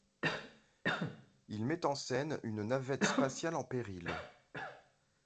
Il met en scène une navette spatiale en péril.